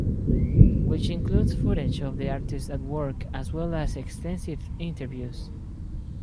Which includes footage of the artist at work as well as extensive interviews.